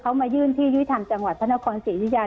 เขามายื่นที่ยุทธรรมจังหวัดพระนครศรียุธยา